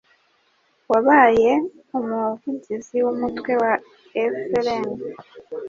wabaye umuvugizi w'umutwe wa FLN